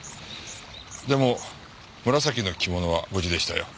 でも紫の着物は無事でしたよ。